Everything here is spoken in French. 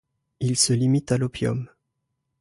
Il se limite à l'opium.